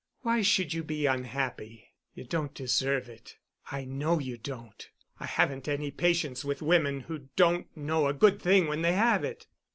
"Why should you be unhappy? You don't deserve it. I know you don't. I haven't any patience with women who don't know a good thing when they have it."